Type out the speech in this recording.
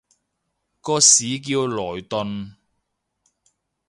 個市叫萊頓